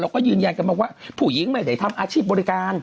ก็ยืนยันกันมาว่าผู้หญิงไม่ได้ทำอาชีพบริการ